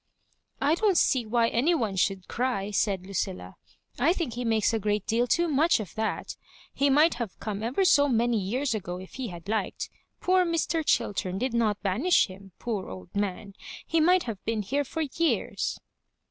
" I don't see why any one should cry," said * Lucilla. ''I think he makes a g^eat deal too much of that; he might have come ever so many years ago, if he bad liked. Poor Mr. Chiltem did not banish him ; poor old man I — he might have been here for years."